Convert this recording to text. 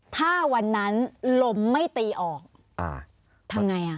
ถ้าวันนั้นลมไม่ตีออกทำยังไง